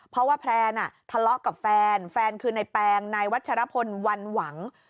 เพราะว่าแพลนทะเลาะกับแฟนแฟนคือนายแปงนายวัชรพลวันหวัง